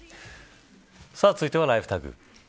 続いてはＬｉｆｅＴａｇ。